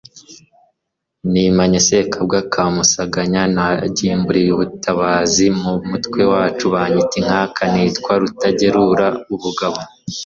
nimanye Sekabwa ka Musanganya, nagimbuliye abatabazi mu mutwe wacu banyita inkaka, nitwa Rutagerura ubugabo